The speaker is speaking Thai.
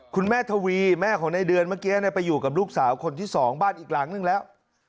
คุณแม่ทวีแม่ของในเดือนเมื่อกี้ไปอยู่กับลูกสาวคนที่๒บ้านอีกหลังนึงแล้ว